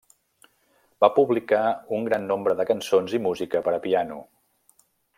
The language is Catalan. Va publicar un gran nombre de cançons i música per a piano.